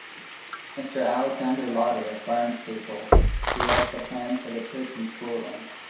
Mister Alexander Lauder of Barnstaple drew up the plans for the church and schoolroom.